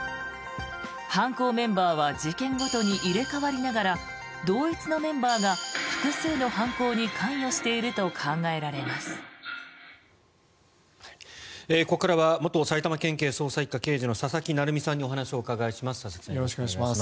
犯行メンバーは事件ごとに入れ替わりながら同一のメンバーが複数の犯行に関与していると考えられます。